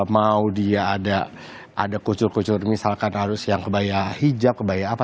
mau dia ada kucur kucur misalkan harus yang kebaya hijab kebaya apa